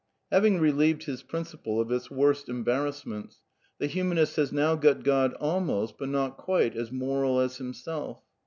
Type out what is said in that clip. Having relieved his principle of its worst embarrass ments, the humanist has now got God almost, but not quite as moral as himself.